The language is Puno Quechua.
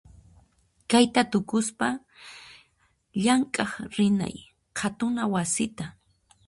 Kayta tukuspa, llank'aq rinay qhatuna wasita.